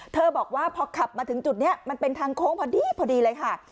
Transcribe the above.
บอกว่าพอขับมาถึงจุดนี้มันเป็นทางโค้งพอดีพอดีเลยค่ะ